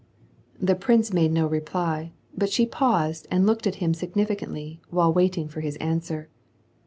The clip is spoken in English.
The prince made no reply, but she paused and looked at him significantly while waiting for his answer.